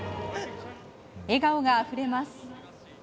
笑顔があふれます。